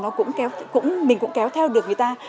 nó cũng kéo mình cũng kéo theo được người ta